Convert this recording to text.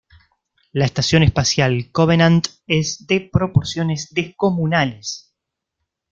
La estación espacial Covenant es de proporciones descomunales.